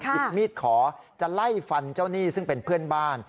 หยิบมีดขอจะไล่ฟันเจ้าหนี้ซึ่งเป็นเพื่อนบ้าน